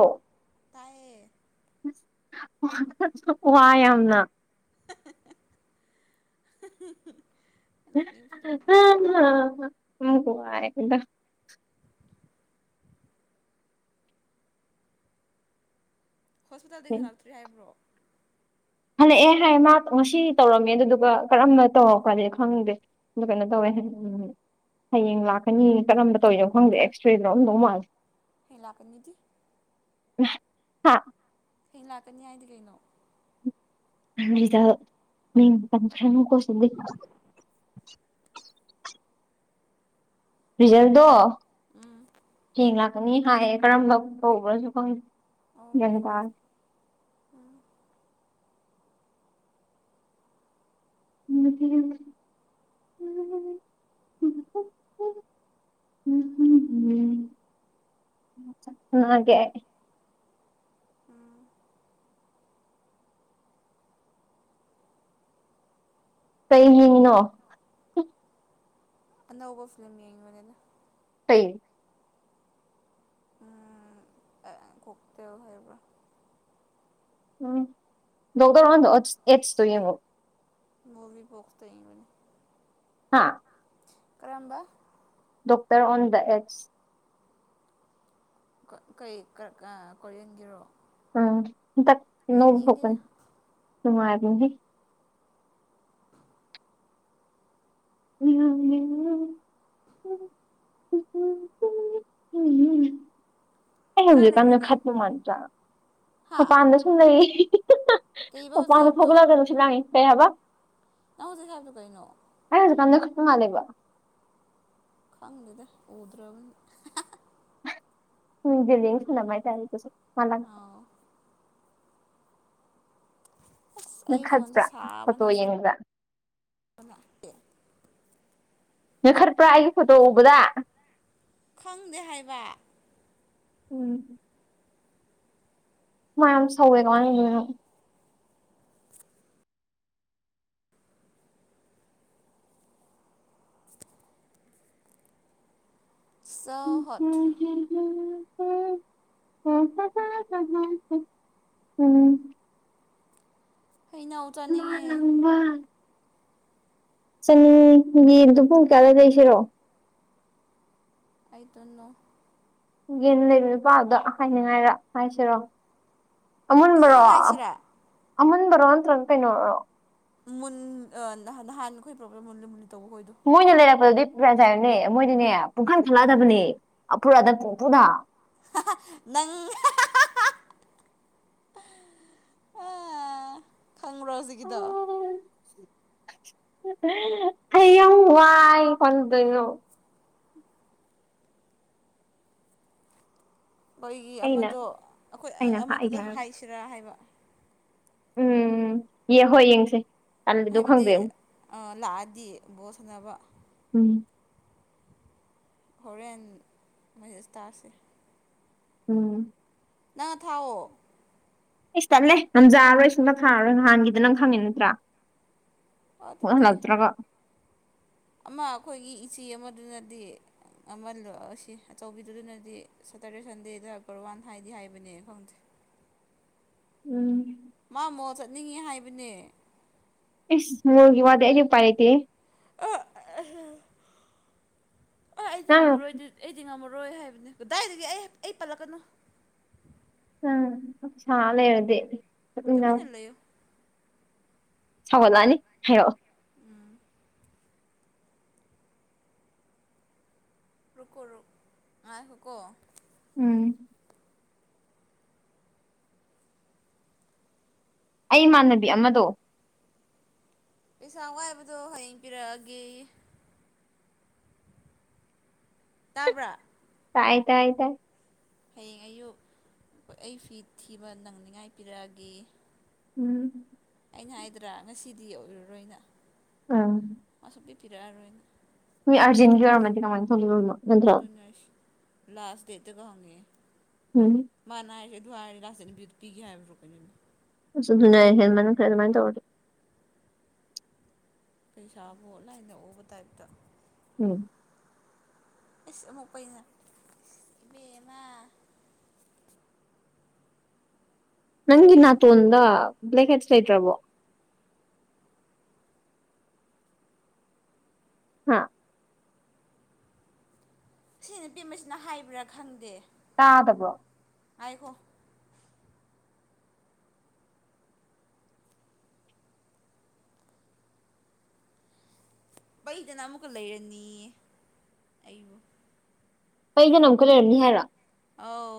ꯑꯣ ꯇꯥꯏꯌꯦ ꯋꯥꯏ ꯌꯥꯝꯅ [unintelligible] ꯅꯣꯛꯅꯤꯡꯕꯁꯤꯗꯅ ꯅꯣꯛꯄ ꯋꯥꯏꯗ ꯍꯣꯁꯄꯤꯇꯥꯜꯗꯩ ꯍꯜꯂꯛꯇ꯭ꯔꯤ ꯍꯥꯏꯕ꯭ꯔꯣ ꯍꯜꯂꯛꯑꯦ ꯍꯥꯏꯌꯦ ꯃꯥꯛ ꯉꯁꯤ ꯇꯧꯔꯝꯃꯦ ꯑꯗꯨꯗꯨꯒ ꯀꯔꯝꯅ ꯇꯧꯔꯛꯄ꯭ꯔꯗꯤ ꯈꯪꯗꯦ ꯑꯗꯨ ꯀꯩꯅꯣ ꯇꯧꯋꯦ ꯎꯝ ꯍꯌꯦꯡ ꯂꯥꯛꯀꯅꯤ ꯀꯔꯝꯕ ꯇꯧꯋꯤꯅꯣ ꯈꯪꯗꯦ ꯑꯦꯛꯁꯇ꯭ꯔꯦꯗꯤ ꯂꯧꯔꯝꯗꯧ ꯃꯥꯜꯂꯤ ꯍꯩ ꯂꯥꯛꯀꯅꯤꯗꯤ ꯍꯥꯥ ꯍꯌꯦꯡ ꯂꯥꯛꯀꯅꯤ ꯍꯥꯏꯗꯤ ꯀꯩꯅꯣ ꯅꯤꯖꯜ ꯃꯤꯡ ꯄꯟꯈ꯭ꯔꯅꯨꯀꯣ ꯁꯤꯗꯗꯤ ꯔꯤꯖꯜꯗꯣ ꯎꯝ ꯍꯌꯦꯡ ꯂꯥꯛꯀꯅꯤ ꯍꯥꯏꯌꯦ ꯀꯔꯝꯕ ꯇꯧꯕ꯭ꯔꯖꯨ ꯈꯪꯗꯦ ꯑꯣ ꯒ꯭ꯌꯥꯟ ꯇꯥ ꯎꯝ [unintelligible] [unintelligible] ꯍꯪꯉꯛꯑꯒꯦ ꯑꯩ ꯎꯝ ꯀꯩ ꯌꯦꯡꯉꯤꯅꯣ ꯑꯅꯧꯕ ꯐꯤꯂꯝ ꯌꯦꯡꯕꯅꯤꯗ ꯀꯩ ꯎꯝ ꯀꯣꯛꯇꯦꯜ ꯍꯥꯏꯕ꯭ꯔꯥ ꯎꯝ ꯗꯣꯛꯇ꯭ꯔ ꯑꯣꯟ ꯗ ꯑꯣꯠꯁ ꯑꯦꯠꯁꯇꯨ ꯌꯦꯡꯉꯣ ꯃꯣꯚꯤ ꯕꯣꯛꯁꯇ ꯌꯦꯡꯕꯅꯤ ꯍꯥꯥ ꯀꯔꯝꯕ ꯗꯣꯛꯇ꯭ꯔ ꯑꯣꯟ ꯗ ꯑꯦꯠꯁ ꯀꯩ ꯀ꯭ꯔꯛ ꯑꯥ ꯀꯣꯔꯤꯌꯥꯟꯒꯤꯔꯣ ꯎꯝ ꯍꯟꯇꯛ ꯑꯅꯧꯕ ꯊꯣꯛꯄꯅꯤ ꯅꯨꯡꯉꯥꯏꯕꯅꯤꯍꯦ [unintelligible] [unintelligible] ꯑꯩ ꯀꯥꯏ ꯍꯧꯖꯤꯛꯀꯥꯟꯖꯦ ꯂꯩꯔꯤꯅꯣ ꯈꯠꯄ ꯃꯥꯟꯗ꯭ꯔꯥ ꯍꯥ ꯃꯄꯥꯟꯗ ꯁꯨꯨꯝ ꯂꯩꯌꯦ ꯀꯩꯕ ꯍꯧꯖꯤꯛ ꯑꯣꯛꯄꯥꯟꯗ ꯍꯥꯏꯕꯗꯣ ꯐꯥꯎꯒꯠꯂꯛꯑꯒ ꯅꯨꯡꯁꯤꯠ ꯂꯥꯡꯉꯤ ꯀꯩ ꯍꯥꯏꯕ ꯅꯪ ꯍꯧꯖꯤꯛ ꯍꯥꯏꯕꯗꯨ ꯀꯩꯅꯣ ꯑꯩ ꯍꯧꯖꯤꯛꯀꯥꯟꯖ‌ꯦ ꯈꯠꯄ ꯃꯥꯜꯂꯦꯕ ꯈꯪꯗꯦꯗ ꯎꯗ꯭ꯔꯕꯅꯤꯅ ꯃꯤꯡꯖꯦꯜꯂꯤꯡ ꯁꯥꯟꯅꯕ ꯍꯥꯏꯇꯥꯔꯦꯗꯁꯨ ꯃꯥꯂꯡ ꯑꯥꯎ ꯑꯁ ꯑꯩ ꯐꯣꯟꯁꯦ ꯅꯣꯏꯈꯠꯄ꯭ꯔꯥ ꯐꯣꯇꯣ ꯁꯥꯕꯅ ꯌꯦꯡꯕꯗꯥ [unintelligible] ꯅꯣꯏꯈꯠꯄ꯭ꯔꯥ ꯑꯩꯒꯤ ꯐꯣꯇꯣ ꯎꯕꯗꯥ ꯈꯪꯗꯦ ꯍꯥꯏꯕ ꯎꯝ ꯍꯨꯃꯥꯏ ꯌꯥꯝ ꯁꯧꯋꯦ ꯀꯃꯥꯏ ꯇꯧꯗꯣꯏꯅꯦ [inaudible] ꯆ ꯍꯣꯠ [unintelligible] [inaudible] [inaudible] [unintelligible] ꯊꯩꯅꯧꯠ ꯃꯥꯂꯡꯕ ꯆꯅꯤꯡꯉꯤ ꯌꯦꯟꯗꯨ ꯄꯨꯡ ꯀꯌꯥꯗꯩ ꯂꯩꯁꯤꯔꯣ ꯑꯥꯏ ꯇꯣꯟꯅꯣ ꯌꯦꯟ ꯂꯩꯕ ꯅꯨꯄꯥꯗꯨꯗ ꯍꯥꯏꯅꯤꯡꯉꯥꯏꯔꯥ ꯍꯥꯏꯁꯤꯔꯣ ꯑꯃꯨꯟꯕꯔꯣ ꯑꯁꯦꯡꯕ ꯍꯥꯏꯁꯤꯔꯥ ꯑꯃꯨꯟꯕꯔꯣ ꯅꯠꯇ꯭ꯔꯒ ꯀꯩꯅꯣꯔꯣ ꯃꯨꯟ ꯑꯥ ꯅꯍꯥꯟ ꯅꯍꯥꯟ ꯑꯩꯈꯣꯏ ꯄ꯭ꯔꯣꯕ꯭ꯂꯦꯝ ꯃꯨꯜꯂꯤ ꯃꯨꯜꯂꯤ ꯇꯧꯕ ꯍꯣꯏꯗꯣ ꯃꯣꯏꯅ ꯂꯩꯔꯛꯄꯗꯨꯗꯤ ꯄ꯭ꯔꯦꯟꯁꯥꯏꯔꯝꯅꯦ ꯃꯣꯏꯗꯤꯅꯦ ꯄꯨꯡꯈꯟ ꯈꯜꯂꯛꯑꯗꯕꯅꯦ ꯑꯐꯨꯔꯥꯗ ꯄꯨꯡꯐꯨꯗ ꯅꯪ ꯑ ꯈꯪꯕ꯭ꯔꯣ ꯍꯧꯖꯤꯛꯀꯤꯗꯣ ꯑꯩ ꯌꯥꯝ ꯋꯥꯏ ꯈꯪꯗꯨꯏꯅꯣ ꯑꯩꯈꯣꯏꯒꯤ ꯑꯩꯅ ꯑꯃꯗꯣ ꯑꯩꯈꯣꯏ ꯑꯩꯅ ꯍꯥꯏꯒꯦ ꯑꯃꯗꯨꯗ ꯍꯥꯏꯔ ꯍꯥꯏꯁꯤꯔꯥ ꯍꯥꯏꯕ ꯎꯝ ꯌꯦ ꯍꯣꯏ ꯌꯦꯡꯁꯦ ꯇꯜꯂꯤꯗꯣ ꯍꯥꯏꯕꯗꯤ ꯈꯪꯗꯦ ꯂꯥꯛꯑꯗꯤ ꯕꯣꯠ ꯁꯥꯟꯅꯕ ꯎꯝ ꯍꯣꯔꯦꯟ ꯃꯌꯦꯛꯁꯇꯥꯥꯁꯦ ꯎꯝ ꯅꯪ ꯊꯥꯎꯑꯣ ꯏꯁ ꯇꯠꯂꯦ ꯉꯝꯖꯥꯔꯣꯏ ꯑꯩ ꯁꯨꯡꯊ ꯊꯥꯔꯔꯣꯏ ꯅꯍꯥꯟꯒꯤꯗꯣ ꯅꯪ ꯈꯪꯉꯤ ꯅꯠꯇ꯭ꯔꯥ ꯑꯗꯨꯗꯤ ꯍꯟꯂꯛꯇ꯭ꯔꯒ ꯑꯃ ꯑꯩꯈꯣꯏꯒꯤ ꯏꯆꯦ ꯑꯃꯗꯨꯅꯗꯤ ꯑꯃꯜ ꯑꯁꯤ ꯑꯆꯧꯕꯤꯗꯨꯅꯗꯤ ꯁꯇꯔꯗꯦ ꯁꯟꯗꯦꯗ ꯀꯔ ꯋꯥꯟ ꯍꯥꯏꯗꯤ ꯍꯥꯏꯕꯅꯦ ꯈꯪꯗꯦ ꯎꯝ ꯃꯥ ꯃꯣꯜ ꯆꯠꯅꯤꯡꯉꯤ ꯍꯥꯏꯕꯅꯦ ꯏꯁ ꯃꯣꯜꯒꯤ ꯋꯥꯗꯤ ꯑꯩꯗꯤ ꯎꯄꯥꯏ ꯂꯩꯇꯦꯍꯦ ꯑ ꯑ ꯑ ꯑꯩꯗꯤ ꯅꯪ ꯉꯝꯃꯔꯣꯏ ꯑꯗꯨꯗꯤ ꯑꯩꯗꯤ ꯉꯝꯃꯔꯣꯏ ꯍꯥꯏꯕꯅꯤ ꯀꯗꯥꯏꯗꯒꯤ ꯑꯩ ꯑꯩ ꯄꯜꯂꯛꯀꯅꯣ ꯎꯝ ꯁꯥ ꯂꯩꯔꯗꯤ ꯆꯠꯃꯤꯟꯅꯧ ꯇꯨꯃꯤꯟꯅ ꯂꯩꯌꯨ ꯁꯥꯎꯒꯜꯂꯑꯅꯤ ꯍꯥꯏꯌꯣ ꯎꯝ ꯔꯨꯀꯣꯔꯨ ꯉꯥꯏꯈꯣꯀꯣ ꯎꯝ ꯑꯩ ꯃꯥꯟꯅꯕꯤ ꯑꯃꯗꯣ ꯄꯩꯁꯥ ꯋꯥꯏꯕꯗꯣ ꯍꯌꯦꯡ ꯄꯤꯔꯛꯑꯒꯦꯌꯦ ꯇꯥꯕ꯭ꯔꯥ ꯥꯇꯥꯏ ꯇꯥꯏ ꯇꯥꯏ ꯍꯌꯦꯡ ꯑꯌꯨꯛ ꯑꯩ ꯐꯤ ꯊꯤꯕ ꯅꯪꯅꯤꯡꯉꯥꯏ ꯄꯤꯔꯛꯑꯒꯦ ꯎꯝ ꯑꯩꯅ ꯍꯥꯏꯗ꯭ꯔꯥ ꯉꯁꯤꯗꯤ ꯑꯣꯏꯔꯔꯣꯏꯅ ꯎꯝ ꯁꯨꯡꯄꯤ ꯄꯤꯔꯛꯑꯔꯣꯏꯅ ꯃꯤ ꯑꯔꯖꯦꯟꯒꯤ ꯑꯣꯏꯔꯝꯃꯗꯤ ꯀꯃꯥꯏ ꯇꯧꯗꯣꯏꯕ ꯅꯠꯇ꯭ꯔꯣ ꯑꯁ ꯂꯥꯁ ꯗꯦꯠꯇꯒ ꯍꯪꯉꯥꯛꯑꯦ ꯎꯝ ꯃꯥꯅꯥ ꯍꯥꯏꯔꯤꯁꯦ ꯑꯗꯨ ꯍꯥꯏꯔ ꯂꯥꯁ ꯗꯦꯠꯇ ꯄꯤꯔꯁꯨ ꯄꯤꯒꯦ ꯍꯥꯏꯕꯅꯤꯕ ꯁꯨꯝ ꯌꯥꯏ ꯍꯦꯜꯃꯟꯈ꯭ꯔꯦ ꯑꯗꯨꯃꯥꯏ ꯇꯧꯔꯗꯤ ꯄꯩꯁꯥꯕꯨ ꯂꯥꯏꯅ ꯎꯕ ꯇꯥꯏꯞꯇ ꯎꯝ ꯏꯁ ꯑꯃꯨꯛ ꯄꯩꯅ ꯕꯦꯝꯃ ꯅꯪꯒꯤ ꯅꯇꯣꯟꯗ ꯕ꯭ꯂꯦꯛ ꯍꯦꯠꯁ ꯂꯩꯇ꯭ꯔꯕꯣ ꯍꯥꯥ ꯁꯤ ꯅꯨꯄꯤꯃꯁꯤꯅ ꯍꯥꯏꯕ꯭ꯔꯥ ꯈꯪꯗꯦ ꯇꯥꯗꯕꯔꯣ ꯑꯩꯍꯣ ꯄꯩꯗꯅ ꯑꯃꯨꯛꯀ ꯂꯩꯔꯅꯤ ꯑꯩꯕꯨ ꯄꯩꯗꯅ ꯑꯃꯨꯛꯀ ꯂꯩꯔꯝꯅꯤ ꯍꯥꯏꯔꯣ ꯑꯥꯎ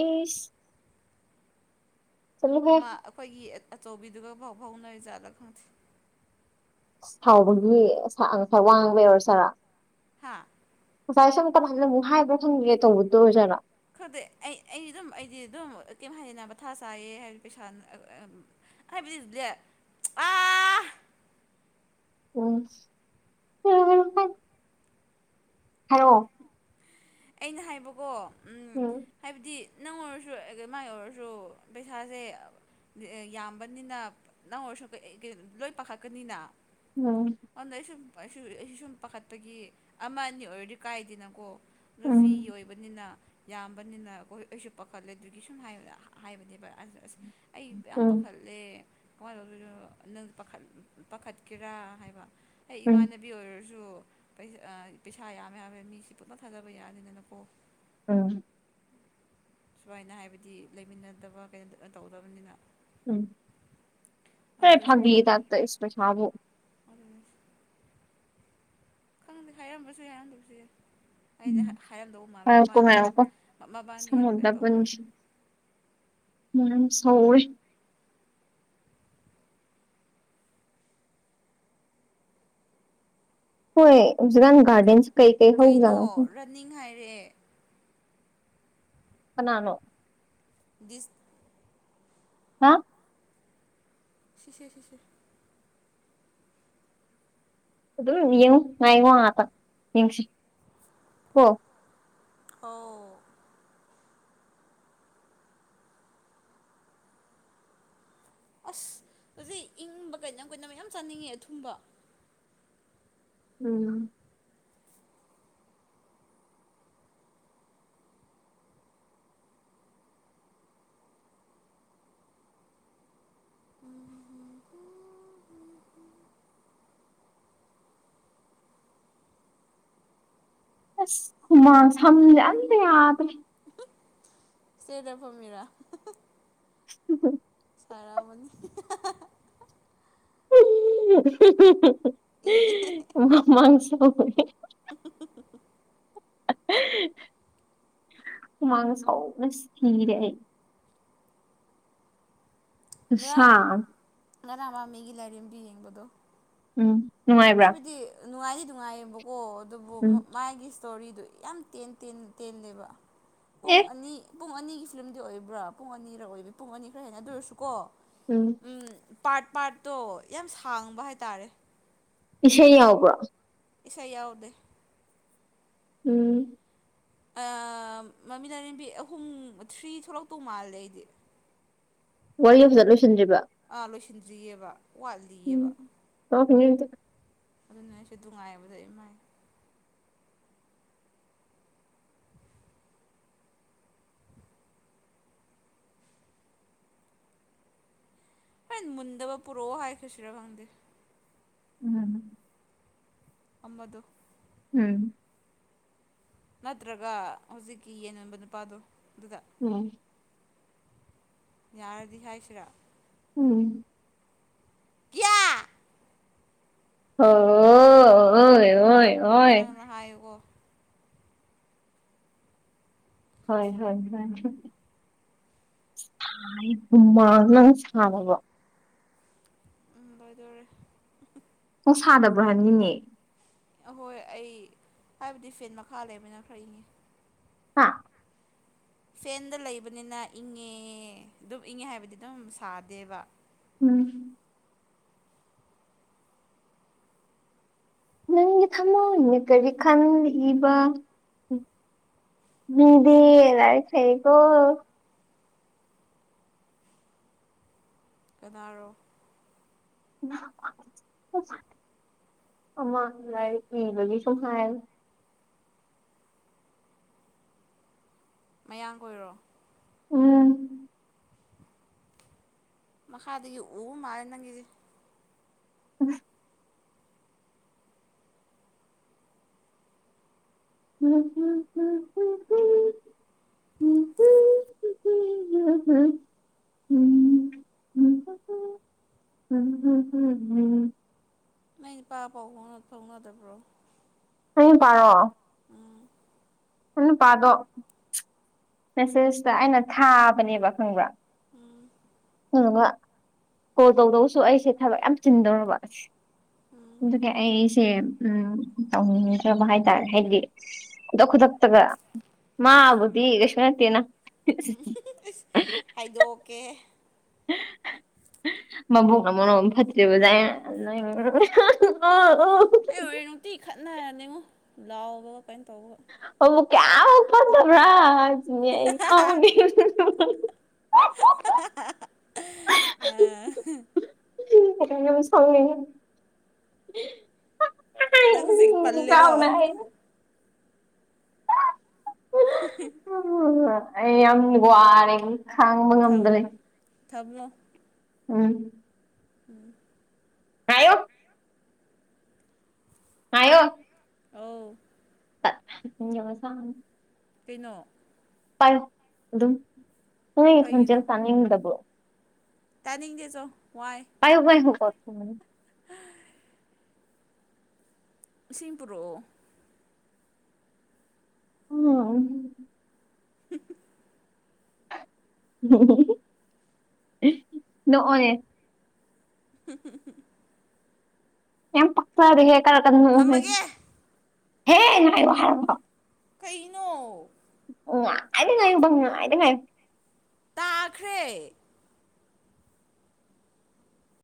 ꯏꯁ ꯆꯠꯂꯨꯍꯦ ꯑꯃ ꯑꯩꯈꯣꯏꯒꯤ ꯑꯆꯧꯕꯤꯗꯨꯒ ꯄꯥꯎ ꯐꯥꯎꯅꯔꯤꯖꯥꯠꯂ ꯈꯪꯗꯦ ꯁꯥꯎꯕꯒꯤ ꯉꯁꯥꯏ ꯋꯥꯏ ꯉꯥꯡꯕꯩ ꯑꯣꯏꯔ ꯖꯥꯠꯂ ꯍꯥꯥ ꯉꯁꯥꯏ ꯁꯝ [unintelligible] ꯑꯃꯨꯛ ꯍꯥꯏꯕ꯭ꯔꯥ ꯈꯪꯗꯤꯌꯦ ꯇꯧꯕꯗꯣ ꯑꯣꯏꯖꯥꯔꯣ ꯈꯪꯗꯦ ꯑꯩ ꯑꯩ ꯑꯗꯨꯝ ꯑꯩꯗꯤ ꯑꯗꯨꯝ ꯀꯩ ꯍꯥꯏꯅ ꯃꯊꯥ ꯁꯥꯌꯦ ꯍꯥꯏꯗꯤ ꯄꯩꯁꯥ ꯍꯥꯏꯕꯗꯤ ꯑ ꯎꯝ [unintelligible] ꯍꯥꯏꯔꯣ ꯑꯩꯅ ꯍꯥꯏꯕꯀꯣ ꯎꯝ ꯍꯥꯏꯕꯗꯤ ꯅꯪ ꯑꯣꯏꯔꯁꯨ ꯃꯥꯏ ꯑꯣꯏꯔꯁꯨ ꯄꯩꯁꯥꯁꯦ ꯌꯥꯝꯕꯅꯤꯅ ꯅꯪ ꯑꯣꯏꯔꯁꯨ ꯂꯣꯏ ꯄꯥꯈꯠꯀꯅꯤꯅ ꯎꯝ ꯑꯗꯨꯗ ꯑꯩ ꯁꯨꯝ ꯑꯩꯁꯨ ꯑꯩꯁꯨ ꯁꯨꯝ ꯄꯥꯈꯠꯄꯒꯤ ꯑꯃ ꯑꯅꯤ ꯑꯣꯏꯔꯗꯤ ꯀꯥꯏꯗꯦꯅꯀꯣ ꯅꯨꯄꯤ ꯎꯝ ꯑꯣꯏꯕꯅꯤꯅ ꯌꯥꯝꯕꯅꯤꯅ ꯑꯩꯈꯣꯏ ꯑꯩꯁꯨ ꯄꯥꯈꯠꯂꯦ ꯑꯗꯨꯒꯤ ꯁꯨꯝ ꯍꯥꯏꯕꯅꯦꯕ ꯑꯁ ꯑꯩ ꯌꯥꯝ ꯎꯝ ꯄꯥꯈꯠꯂꯦ ꯀꯃꯥꯏꯅꯅꯣ ꯅꯪ ꯄꯥꯈꯠ ꯄꯥꯈꯠꯀꯦꯔꯥ ꯍꯥꯏꯕ ꯑꯩ ꯎꯝ ꯏꯃꯥꯅꯦ ꯅꯕꯤ ꯑꯣꯏꯔꯁꯨ ꯄꯩꯁꯥ ꯌꯥꯝ ꯌꯥꯕ ꯃꯤꯁꯤ ꯄꯨꯟꯅ ꯊꯥꯖꯕ ꯌꯥꯗꯦꯗꯅꯀꯣ ꯎꯝ ꯁꯨꯃꯥꯏꯅ ꯍꯥꯏꯕꯗꯤ ꯂꯩꯃꯤꯟꯅꯗꯕ ꯀꯩꯅꯣ ꯇꯧꯗꯕꯅꯤꯅ ꯎꯝ ꯍꯦ ꯑꯗꯨꯒꯤ ꯁꯨꯝ ꯐꯥꯒꯤ ꯄꯥꯈꯠꯄ ꯇꯥꯏꯞꯇꯥ ꯏꯁ ꯄꯩꯁꯕꯨ [unintelligible] ꯈꯪꯗꯦ ꯍꯥꯏꯔꯝꯕꯁꯨ ꯌꯥ ꯍꯥꯏꯔꯝꯗꯕꯁꯨ ꯌꯥꯏ ꯑꯩꯁꯦ ꯎꯝ ꯍꯥꯏꯔꯝꯗꯧ ꯃꯥꯜꯂꯕ ꯉꯥꯏꯌꯣꯀꯣ ꯃꯕꯥꯅꯤ ꯉꯥꯏꯌꯣꯀꯣ ꯃꯕꯥꯅꯤ ꯌꯥꯝ ꯀꯩꯅꯣ ꯁꯪꯉꯝꯗꯕ ꯇꯧꯕꯒꯤ ꯎꯝ ꯁꯧꯋꯦ ꯍꯣꯏ ꯍꯧꯖꯤꯛꯀꯟ ꯒꯔꯗꯦꯟꯁꯦ ꯀꯩ ꯀꯩ ꯍꯧꯖꯠꯅꯣ ꯈꯪ ꯅꯤꯡ ꯍꯥꯏꯔꯦ ꯀꯥꯅꯥꯅꯣ ꯗꯤꯁ ꯍꯥ ꯁꯤꯁꯦ ꯁꯤꯁꯦ ꯑꯗꯨꯝ ꯌꯦꯉꯣ ꯉꯥꯏꯉꯣ ꯉꯥꯛꯇꯪ ꯌꯦꯡꯁꯤ ꯀꯣ ꯍꯣ ꯑꯁ ꯍꯧꯖꯤꯛ ꯏꯪꯕ ꯀꯩꯅꯝ ꯀꯩꯅꯝꯌꯥꯝ ꯆꯥꯅꯤꯡꯉꯦ ꯑꯊꯨꯝꯕ ꯎꯝ [unintelligible] ꯑꯁ ꯍꯨꯃꯪ ꯁꯝꯁꯦ ꯑꯝ ꯌꯥꯗ꯭ꯔꯦ ꯏꯁꯇ꯭ꯌꯥꯔ ꯗ ꯐꯝꯃꯤꯔꯣ [unintelligible] ꯁꯥꯔꯝꯃꯅꯤ ꯎꯝ [unintelligible] [inaudible] ꯏ [unintelligible] ꯍꯨꯃꯡ ꯁꯧꯑꯦ [unintelligible] ꯍꯨꯃꯥꯡ ꯁꯧꯕꯅ ꯁꯤꯔꯦ ꯑꯩ ꯈꯨꯁꯥ ꯉꯔꯥꯡ ꯑꯃ ꯉꯔꯥꯡ ꯃꯃꯤꯒꯤ ꯂꯥꯏꯔꯤꯛ ꯑꯗꯨ ꯌꯦꯡꯕꯗꯣ ꯎꯝ ꯅꯨꯡꯉꯥꯏꯕ꯭ꯔꯥ ꯍꯥꯏꯕꯗꯤ ꯅꯨꯡꯉꯥꯏꯗꯤ ꯅꯨꯡꯉꯥꯏꯌꯦꯕꯀꯣ ꯑꯗꯨꯕꯨ ꯎꯝ ꯃꯥꯒꯤ__ ꯏꯁꯇꯣꯔꯤꯗꯨ ꯌꯥꯝ ꯇꯦꯟ ꯇꯦꯟ ꯇꯦꯜꯂꯦꯕ ꯄꯨꯡ ꯑꯦ ꯑꯅꯤ__ ꯄꯨꯡ ꯑꯅꯤꯒꯤ ꯐꯤꯂꯝꯗꯤ ꯑꯣꯏꯕ꯭ꯔꯥ ꯄꯨꯡ ꯑꯅꯤꯔꯛ ꯑꯣꯏꯕ ꯄꯨꯡ ꯑꯅꯤ ꯈꯔ ꯍꯦꯟꯅ ꯑꯗꯨ ꯑꯣꯏꯔꯁꯨꯀꯣ__ ꯎꯝ ꯎꯝ ꯄꯥꯔꯠ ꯄꯥꯔꯠꯇꯣ ꯌꯥꯝ ꯁꯥꯡꯕ ꯍꯥꯏꯇꯥꯔꯦ ꯏꯁꯩ ꯌꯥꯎꯕ꯭ꯔꯥ ꯏꯁꯩ ꯌꯥꯎꯗꯦ ꯎꯝ ꯃꯃꯤ ꯇꯔꯦꯝꯕꯤ ꯑꯍꯨꯝ ꯊ꯭ꯔꯤ ꯊꯣꯛꯂꯛꯇꯧ ꯃꯥꯜꯂꯦ ꯑꯩꯗꯤ꯫ ꯋꯥꯔꯤ ꯐꯖꯅ ꯂꯣꯏꯁꯤꯟꯗ꯭ꯔꯤꯕ ꯑꯥ ꯂꯣꯏꯁꯤꯟꯗ꯭ꯔꯤꯑꯕ ꯋꯥꯠꯂꯤꯑꯕ ꯊꯣꯛꯂꯛꯈꯤꯅꯤ ꯑꯗꯨꯗꯤ ꯑꯗꯨꯅ ꯑꯩꯁꯨ ꯑꯗꯨ ꯉꯥꯏꯕꯗ ꯏꯃꯥꯏ ꯃꯨꯟꯗꯕ ꯄꯨꯔꯣ ꯍꯥꯏꯈꯁꯤꯔ ꯈꯪꯗꯦ ꯎꯝ ꯑꯃꯗꯨ ꯎꯝ ꯅꯠꯇ꯭ꯔꯒ ꯍꯧꯖꯤꯛꯀꯤ ꯌꯦꯟ ꯌꯣꯟꯕ ꯅꯨꯄꯥꯗꯣ ꯑꯗꯨꯗ ꯎꯝ ꯌꯥꯔꯗꯤ ꯍꯥꯏꯁꯤꯔ ꯎꯝ ꯀꯌꯥ ꯑꯣ ꯅꯪꯅ ꯍꯥꯏꯌꯨꯀꯣ ꯍꯣꯏ ꯍꯣꯏ ꯍꯣꯏ [unintelligible] ꯎꯝ ꯂꯣꯏꯗꯣꯔꯦ ꯄꯣꯡ ꯁꯗꯕ꯭ꯔꯥ ꯍꯥꯏꯅꯤꯅꯦ ꯑꯍꯣꯏ ꯑꯩ ꯍꯥꯏꯕꯗꯤ ꯐꯦꯟ ꯃꯈꯥ ꯂꯩꯕꯅꯤꯅ ꯈꯔ ꯏꯪꯉꯤ ꯍꯥꯥ ꯐꯦꯟꯗ ꯂꯩꯕꯅꯤꯅ ꯏꯪꯉꯦ ꯑꯗꯨꯝ ꯏꯪꯉꯦ ꯍꯥꯏꯕꯗꯤ ꯑꯗꯨꯝ ꯁꯥꯗꯦꯕ ꯎꯝ ꯅꯪꯒꯤ ꯊꯃꯣꯏꯅ ꯀꯔꯤ ꯈꯟ ꯏꯕ ꯅꯪꯗꯤ ꯂꯥꯏꯔꯤꯛ ꯍꯩꯌꯦꯀꯣ ꯀꯅꯥꯔꯣ ꯑꯃ ꯂꯥꯏꯔꯤꯛ ꯏꯕꯒꯤ ꯁꯨꯝ ꯍꯥꯏ ꯃꯌꯥꯡ ꯀꯣꯏꯔꯣ ꯎꯝ ꯃꯈꯥꯗꯒꯤ ꯎ ꯃꯥꯜꯂꯦ ꯅꯪꯒꯤꯁꯦ ꯎꯝ ꯍꯨꯝ ꯍꯨꯝ ꯍꯝ ꯎ [inaudible] ꯎꯝꯝ ꯍꯝꯝ [inaudible] ꯅꯪ ꯏꯄꯥ ꯄꯥꯎ ꯐꯥꯎꯅꯗꯕ꯭ꯔꯣ ꯑꯩ ꯅꯨꯄꯥꯔꯣ ꯎꯝ ꯅꯨꯄꯥꯗꯣ ꯃꯦꯁꯦꯁꯇ ꯑꯩꯅ ꯊꯥꯕꯅꯦꯕ ꯈꯪꯕ꯭ꯔꯥ ꯎꯝ ꯑꯗꯨꯒ ꯀꯣꯜ ꯇꯧꯗꯧꯁꯨ ꯑꯩꯁꯦ ꯊꯕꯛ ꯌꯥꯝ ꯆꯤꯟꯗꯧꯔꯕ ꯑꯁ ꯎꯝ ꯑꯗꯨꯗꯒꯤ ꯑꯩ ꯑꯩꯁꯦ ꯎꯝ ꯇꯧꯅꯤꯡꯗ꯭ꯔꯕ ꯍꯥꯏꯇꯥꯔꯦ ꯍꯥꯏꯗꯤ ꯈꯨꯗꯛ ꯈꯨꯗꯛ ꯒ ꯃꯥꯕꯨꯗꯤ ꯀꯩꯁꯨ ꯅꯠꯇꯦꯅ ꯎ ꯑꯁ ꯍꯥꯏꯗꯣꯛꯀꯦ ꯎ [inaudible] ꯃꯕꯨꯛꯅ ꯃꯔꯣꯜ ꯑꯃ ꯐꯠꯇꯔꯤꯕꯥ ꯅꯪ ꯎꯃ ꯑꯩ ꯍꯣꯔꯦꯟ ꯅꯨꯡꯇꯤ ꯈꯠꯅꯔꯅꯦꯉꯣ ꯂꯥꯎꯕ ꯀꯩꯅꯣ ꯇꯧꯕꯒ ꯃꯕꯨꯛ ꯀꯌꯥꯃꯨꯛ ꯐꯠꯇꯕ꯭ꯔꯥ ꯍꯥꯏꯖꯤꯅꯤ ꯑꯩ [unintelligible] [unintelligible] ꯌꯥꯝ ꯁꯥꯎꯅꯤꯡ ꯅꯪ ꯍꯧꯖꯤꯛ ꯄꯜꯂꯦꯀꯣ [unintelligible] ꯎ ꯑꯩ ꯌꯥꯝ ꯋꯥꯔꯦ ꯈꯥꯡꯕ ꯊꯝ ꯉꯝꯗ꯭ꯔꯦ ꯊꯝꯃꯣ ꯎꯝ [inaudible] ꯍꯥꯏꯌꯣ ꯍꯥꯏꯌꯣ ꯑꯧ ꯁ [unintelligible] ꯀꯩꯅꯣ ꯄꯥꯏꯌꯨ ꯑꯗꯨꯝ ꯅꯣꯏꯒꯤ ꯈꯣꯟꯖꯦꯜ ꯇꯥꯅꯤꯡꯗꯕ꯭ꯔꯣ ꯇꯅꯤꯡꯗꯦꯆꯣ ꯋꯥꯏ [unintelligible] ꯁꯤꯡꯄꯨꯔꯣ [unintelligible] [inaudible] ꯅꯣꯛꯑꯣꯅꯦ [inaudible] ꯌꯥꯝ ꯄꯥꯛꯆꯔꯦꯍꯦ ꯈꯔ ꯀꯟ ꯅꯣꯛꯑꯣꯍꯦ ꯊꯝꯃꯒꯦ ꯉꯥꯏꯌꯣ ꯍꯥꯏꯔꯒ ꯀꯩꯅꯣ ꯉꯥꯏꯗ ꯉꯥꯏꯌꯣꯕ ꯉꯥꯏꯗ ꯉꯥꯏꯌꯨ ꯇꯥꯈ꯭ꯔꯦ